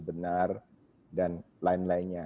benar dan lain lainnya